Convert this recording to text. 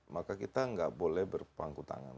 maka kita nggak boleh berpangku tangan